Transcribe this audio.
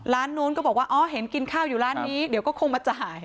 ร้านนู้นก็บอกว่าอ๋อเห็นกินข้าวอยู่ร้านนี้เดี๋ยวก็คงมันจะหาย